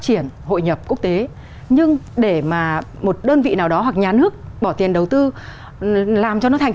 triển hội nhập quốc tế nhưng để mà một đơn vị nào đó hoặc nhà nước bỏ tiền đầu tư làm cho nó thành